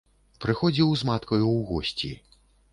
Прыходзіў з маткаю ў госці.